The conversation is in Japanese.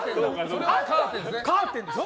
カーテンでしょ。